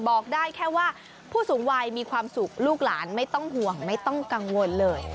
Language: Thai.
บอกได้แค่ว่าผู้สูงวัยมีความสุขลูกหลานไม่ต้องห่วงไม่ต้องกังวลเลย